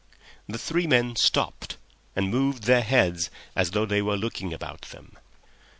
The three men stopped, and moved their heads as though they were looking about them.